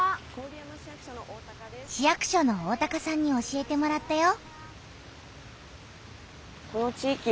市役所の大さんに教えてもらったよ。